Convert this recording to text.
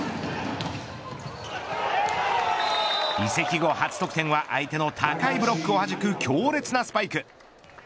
移籍後初得点は相手の高いブロックをはじく強烈なスパイク。